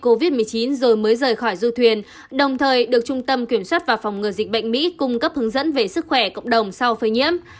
du thuyền này được xét nghiệm covid một mươi chín rồi mới rời khỏi du thuyền đồng thời được trung tâm kiểm soát và phòng ngừa dịch bệnh mỹ cung cấp hướng dẫn về sức khỏe cộng đồng sau phơi nhiễm